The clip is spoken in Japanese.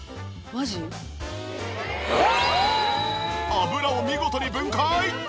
油を見事に分解！